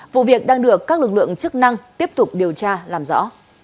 vụ việc đang được các lực lượng chức năng tiếp tục điều tra làm rõ